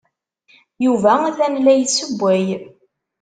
Yuba atan la yessewway.